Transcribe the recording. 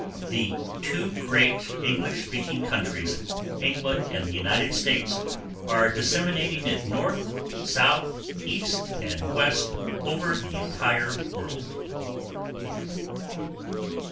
The two great English speaking countries, England and the United States, are disseminating it north, south, east and west over the entire world.